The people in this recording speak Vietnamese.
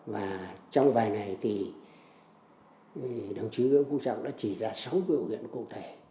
và trong vài ngày thì đồng chí nguyễn quốc trọng đã chỉ ra sáu biểu hiện cụ thể